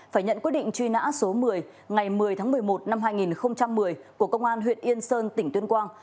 phải nhận quyết định truy nã số một mươi ngày một mươi tháng một mươi một năm hai nghìn một mươi của công an huyện yên sơn tỉnh tuyên quang